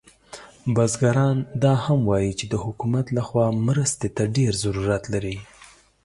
بزګران دا هم وایي چې د حکومت له خوا مرستې ته ډیر ضرورت لري